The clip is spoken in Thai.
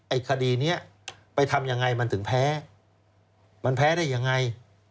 ไอ้คดีนี้ไปทำอย่างไรมันถึงแพ้มันแพ้ได้อย่างไร